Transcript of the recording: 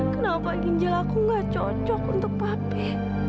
kenapa ginjal aku gak cocok untuk pape